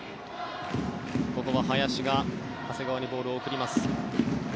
ここは林が長谷川にボールを送ります。